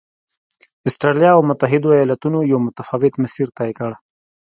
اسټرالیا او متحدو ایالتونو یو متفاوت مسیر طی کړ.